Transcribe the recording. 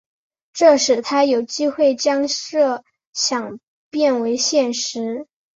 这使他有机会将设想变为现实。